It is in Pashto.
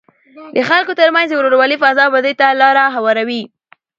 د خلکو ترمنځ د ورورولۍ فضا ابادۍ ته لاره هواروي.